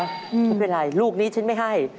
ไม่เป็นไรลูกนี้ฉันไม่ให้